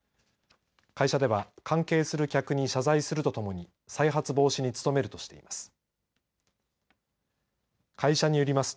会社では関係する客に謝罪するとともに再発防止に努めるとしています。